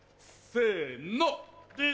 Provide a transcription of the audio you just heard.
せの！